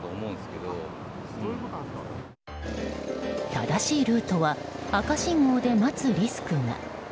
正しいルートは赤信号で待つリスクが。